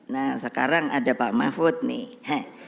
nah sekarang ada pak mahfud nih